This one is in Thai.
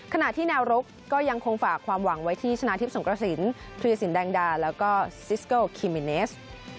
ขณะที่แนวรุกก็ยังคงฝากความหวังไว้ที่ชนะทิพย์สงกระสินธุรสินแดงดาแล้วก็ซิสโกคิมิเนส